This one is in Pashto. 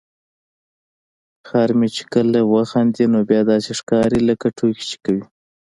خر مې چې کله وخاندي نو بیا داسې ښکاري لکه ټوکې چې کوي.